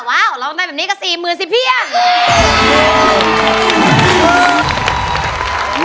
ว้าวเราได้แบบนี้ก็๔๐๐๐๐สิเพียง